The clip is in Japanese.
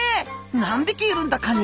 何匹いるんだカニ？